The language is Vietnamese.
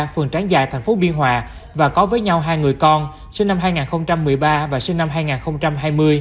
phường trảng dài tp biên hòa và có với nhau hai người con sinh năm hai nghìn một mươi ba và sinh năm hai nghìn hai mươi